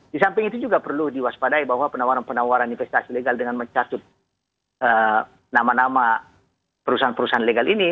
di samping itu juga perlu diwaspadai bahwa penawaran penawaran investasi legal dengan mencatut nama nama perusahaan perusahaan legal ini